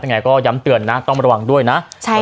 ยังไงก็ย้ำเตือนนะต้องระวังด้วยนะ